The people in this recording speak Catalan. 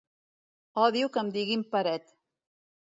Odio que em diguin Peret.